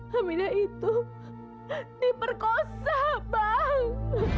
hamidah itu diperkosa bang